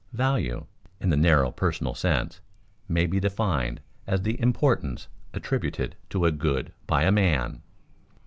_Value, in the narrow personal sense, may be defined as the importance attributed to a good by a man.